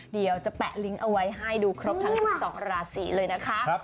เดี๋ยวจะแปะลิงก์เอาไว้ให้ดูครบทั้ง๑๒ราศีเลยนะคะ